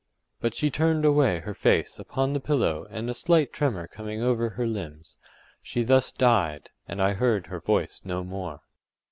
” but she turned away her face upon the pillow and a slight tremor coming over her limbs, she thus died, and I heard her voice no more.